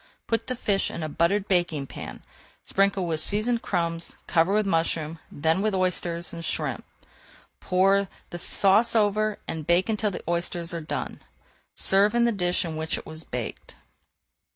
Put the fish in a buttered baking pan, sprinkle with seasoned crumbs, cover with mushrooms, then with oysters and shrimps. Pour the sauce over and bake until the oysters are done. Serve in the dish in which it was baked.